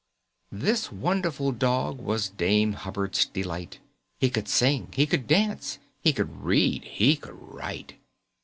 ] This wonderful Dog Was Dame Hubbard's delight; He could sing, he could dance, He could read, he could write.